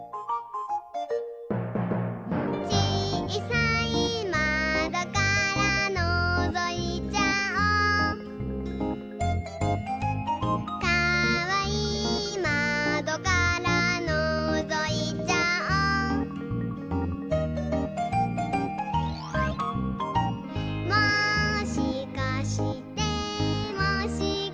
「ちいさいまどからのぞいちゃおう」「かわいいまどからのぞいちゃおう」「もしかしてもしかして」